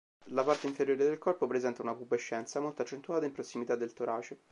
La parte inferiore del corpo presenta una pubescenza molto accentuata in prossimità del torace.